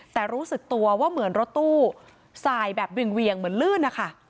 แต่รู้สึกตัวว่าเหมือนรถตู้สายแบบเวียงเหมือนลื่นนะคะ